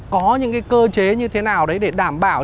có những cơ chế như thế nào để đảm bảo